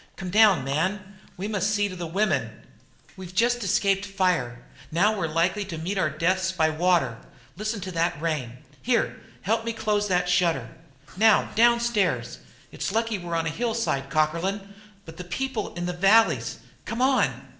Come down, man; we must see to the women! We've just escaped from fire; now we're likely to meet our deaths by water. Listen to that rain, Here, help me to close that shutter. Now, downstairs! It's lucky we're on a hillside, Cockerlyne! But the people in the valleys! Come on!"